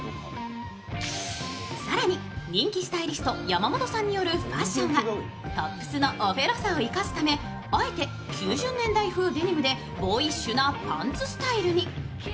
更に、人気スタイリスト・山本さんによるファッションはトップスのおフェロさを生かすため、あえて９０年代風デニムでボーイッシュなパンツスタイルに。